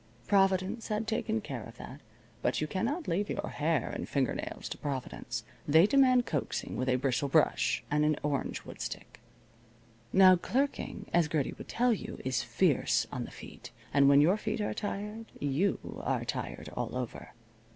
Providence had taken care of that. But you cannot leave your hair and finger nails to Providence. They demand coaxing with a bristle brush and an orangewood stick. Now clerking, as Gertie would tell you, is fierce on the feet. And when your feet are tired you are tired all over.